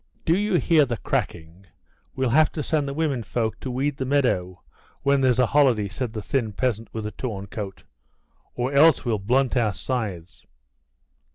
"Do you hear the cracking? We'll have to send the women folk to weed the meadow when there's a holiday," said the thin peasant with the torn coat, "or else we'll blunt our scythes."